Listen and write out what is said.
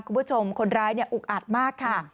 คุณผู้ชมคนร้ายอุกอัดมากค่ะ